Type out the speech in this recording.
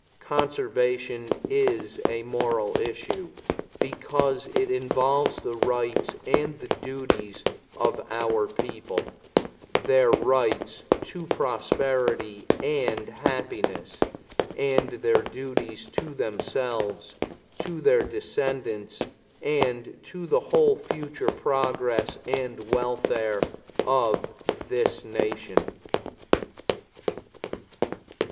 Conservation is a moral issue because it involves the rights and the duties of our people their rights to prosperity and happiness, and their duties to themselves, to their descendants, and to the whole future progress and welfare of this Nation.